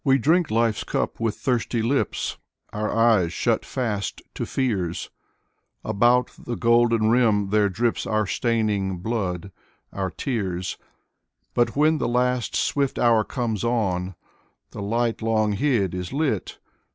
drink life's cup with thirsty lips, Our eyes shut fast to fears; About the golden rim there drips Our staining blood, our tears. But when the last swift hour comes on, The light long hid is lit.